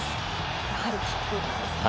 やはりキックなんですね。